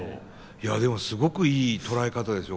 いやすごくいい捉え方ですよ。